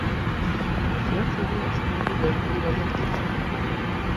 Zehatzago aztertu beharreko gaiak dira.